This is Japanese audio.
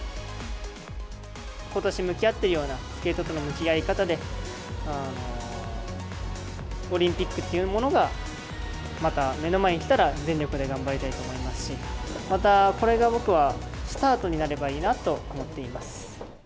ことし向き合っているような、スケートとの向き合い方で、オリンピックというものがまた目の前にきたら、全力で頑張りたいと思いますし、また、これが僕はスタートになればいいなと思っています。